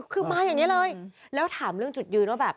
คือมาอย่างนี้เลยแล้วถามเรื่องจุดยืนว่าแบบ